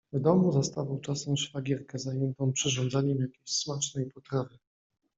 W domu zastawał czasem szwagierkę zajętą przyrządzaniem jakiejś smacznej potrawy.